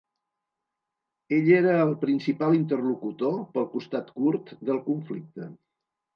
Ell era el principal interlocutor pel costat kurd del conflicte.